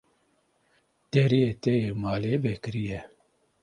Deriyê te yê malê vekirî ye.